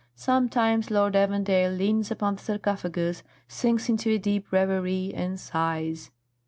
Sometimes Lord Evandale leans upon the sarcophagus, sinks into a deep reverie, and sighs.